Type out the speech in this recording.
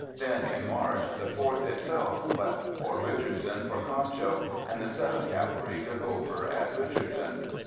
Then in March, the 4th itself left Fort Richardson for Concho, and the 7th Cavalry took over at Richardson.